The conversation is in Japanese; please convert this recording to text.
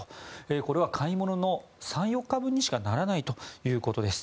これは買い物の３４日分にしかならないということです。